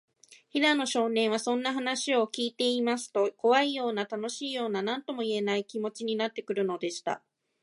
平野少年は、そんな話をきいていますと、こわいような、たのしいような、なんともいえない、気もちになってくるのでした。